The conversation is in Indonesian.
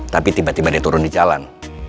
tapi tiba tiba dia turun di jalan